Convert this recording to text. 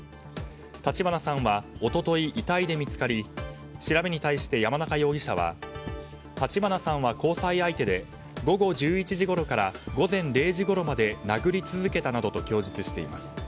立花さんは一昨日、遺体で見つかり調べに対して山中容疑者は立花さんは交際相手で午後１１時ごろから午前０時ごろまで殴り続けたなどと供述しています。